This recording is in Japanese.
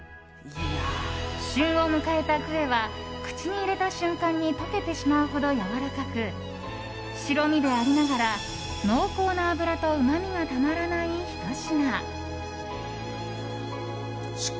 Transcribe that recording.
旬を迎えたクエは口に入れた瞬間に溶けてしまうほどやわらかく白身でありながら、濃厚な脂とうまみがたまらないひと品。